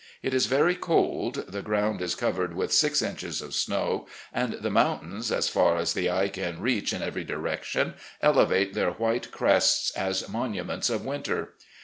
It is very cold, the ground is covered with six inches of snow, and the mountains, as far as the eye can reach in every direction, elevate their white crests as monuments of winter.